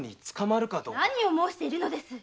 何を申しているのです。